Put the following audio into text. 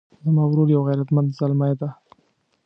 زما ورور یو غیرتمند زلمی ده